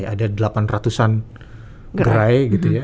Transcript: ada delapan ratusan gerai